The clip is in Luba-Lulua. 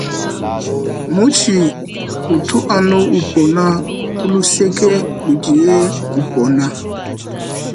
Mutshi utu anu upona kuluseke ludiye upona.